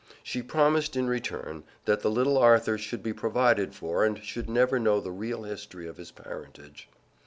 She promised, in return, that the little Arthur should be provided for and should never know the real history of his parentage.